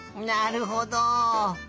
なるほど。